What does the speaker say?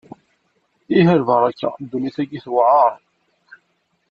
Ih a lbaraka, ddunnit-agi tewεeṛ!